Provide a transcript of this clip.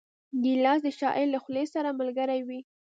ګیلاس د شاعر له خولې سره ملګری وي.